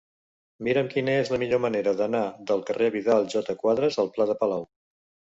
Mira'm quina és la millor manera d'anar del carrer de Vidal i Quadras al pla de Palau.